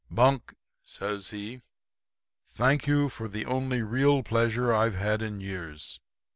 "'"Bunk," says he, "thank you for the only real pleasure I've had in years.